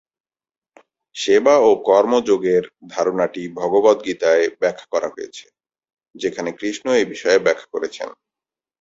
সেবা ও কর্ম যোগের ধারণাটি ভগবদ্গীতায় ব্যাখ্যা করা হয়েছে, যেখানে কৃষ্ণ এই বিষয়ে ব্যাখ্যা করেছেন।